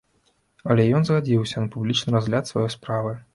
Але ён згадзіўся на публічны разгляд сваёй справы.